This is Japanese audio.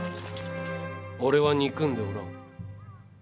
俺は憎んでおらん。